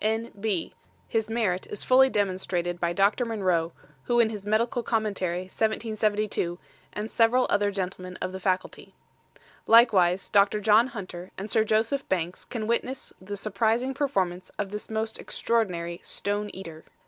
N. B. His Merit is fully demonstrated by Dr. Monroe, who in his Medical Commentary, 1772, and several other Gentlemen of the Faculty. Likewise Dr. John Hunter and Sir Joseph Banks can witness the Surprising Performance of this most Extraordinary STONE EATER.